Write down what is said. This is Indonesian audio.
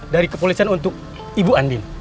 dari kepolisian untuk ibu andin